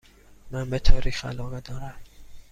من به تاریخ علاقه دارم.